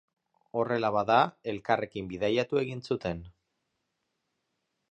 Horrela bada, elkarrekin bidaiatu egin zuten.